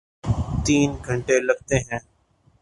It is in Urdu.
تین گھنٹے لگتے ہیں۔